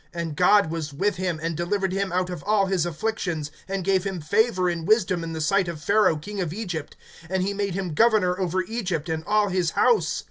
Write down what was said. And God was with him, (10)and delivered him out of all his afflictions, and gave him favor and wisdom in the sight of Pharaoh king of Egypt; and he made him governor over Egypt and all his house.